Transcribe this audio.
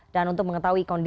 dan untuk mengetahui kontrolinya